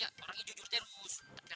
tapi aku nanti menunggu